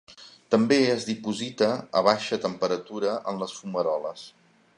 També es diposita a baixa temperatura en les fumaroles.